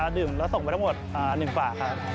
ดื่มแล้วส่งไปทั้งหมด๑ฝากครับ